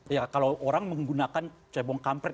ya kalau orang menggunakan cebong kampret